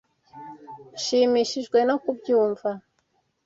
Nshimishijwe no kubyumva.